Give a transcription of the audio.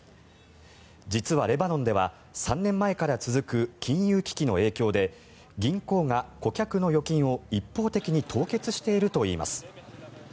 実はレバノンでは３年前から続く金融危機の影響で銀行が顧客の預金を一方的に凍結しているといいます。